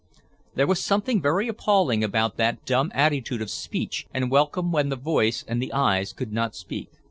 There was something very appalling about that dumb attitude of speech and welcome when the voice and the eyes could not speak.